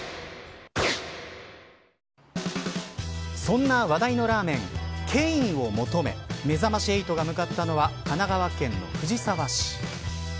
そんな話題のラーメンケインを求めめざまし８が向かったのは神奈川県の藤沢市。